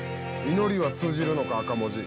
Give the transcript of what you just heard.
「“祈りは通じるのか”赤文字。